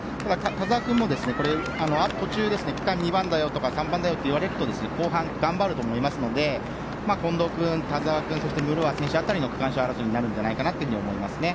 田澤君も途中、区間２番だよとか３番だよって言われると後半、頑張ると思いますので近藤君、田澤君そして、ムルワ選手辺りの区間賞争いになるかと思いますね。